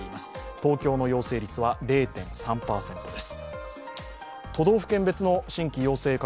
東京の陽性率は０．３％です。